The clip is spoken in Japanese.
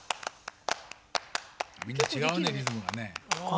みんなちがうねリズムがね。